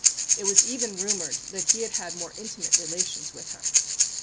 It was even rumoured that he had had more intimate relations with her.